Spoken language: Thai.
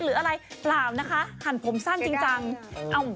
หลับนะคะหั่นผมสั้นจริงจัง